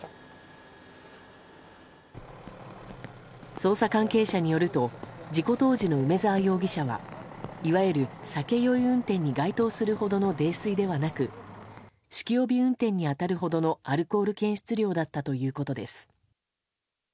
捜査関係者によると事故当時の梅沢容疑者はいわゆる酒酔い運転に該当するほどの泥酔ではなく酒気帯び運転に当たるほどのアルコール検出量だったということです。